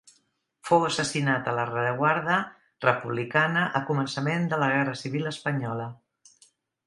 Fou assassinat a la rereguarda republicana a començament de la Guerra Civil espanyola.